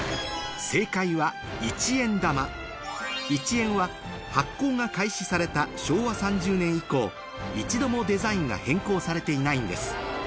１円は発行が開始された昭和３０年以降一度もデザインが変更されていないんです